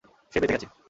সে বেঁচে গেছে!